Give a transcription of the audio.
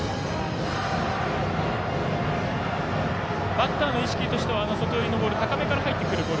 バッターの意識としては外寄りのボール高めから入ってくるボール